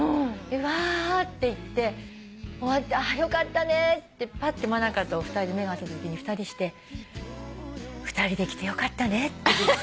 でうわっていって終わってよかったねってぱって真香と２人で目が合ったときに２人して２人で来てよかったねって。